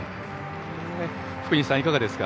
福西さん、いかがですか？